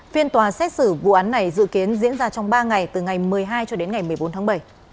phiên tòa xét xử vụ án này dự kiến diễn ra trong ba ngày từ ngày một mươi hai cho đến ngày một mươi bốn tháng bảy